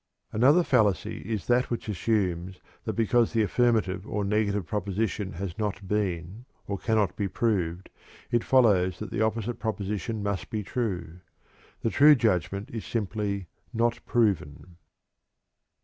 Another fallacy is that which assumes that because the affirmative or negative proposition has not been, or cannot be, proved, it follows that the opposite proposition must be true. The true judgment is simply "not proven."